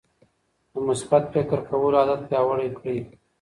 د مثبت فکر کولو عادت پیاوړی کړئ.